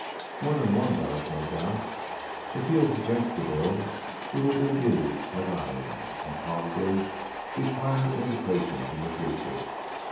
"More than one does, no doubt. If he is against the bill he will be amused, as I am, and probably decline her invitations in the future.